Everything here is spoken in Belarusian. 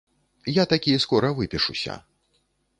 Я такі скора выпішуся.